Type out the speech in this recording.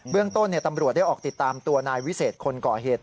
เรื่องต้นตำรวจได้ออกติดตามตัวนายวิเศษคนก่อเหตุ